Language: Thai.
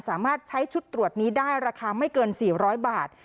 สามารถใช้ชุดตรวจนี้ได้ราคาไม่เกิน๔๐๐บาท